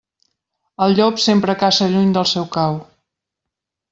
El llop sempre caça lluny del seu cau.